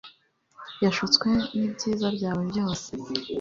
Yashutswe nibyiza byawe byose